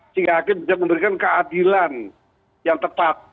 sehingga hakim bisa memberikan keadilan yang tepat